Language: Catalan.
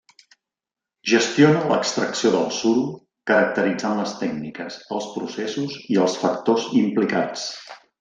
Gestiona l'extracció del suro caracteritzant les tècniques, els processos i els factors implicats.